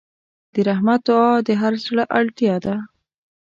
د رحمت دعا د هر زړه اړتیا ده.